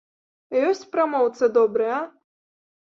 Ёсць прамоўца добры, а?